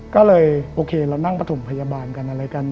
ก็เลยโอเคเรานั่งประถมพยาบาลกันอะไรกัน